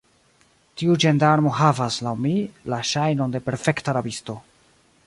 Tiu ĝendarmo havas, laŭ mi, la ŝajnon de perfekta rabisto.